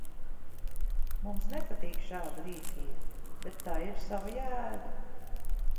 Mums nepatīk šāda rīcība, bet tai ir sava jēga.